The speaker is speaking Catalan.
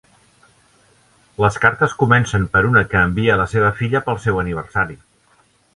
Les cartes comencen per una que envia a la seva filla pel seu aniversari.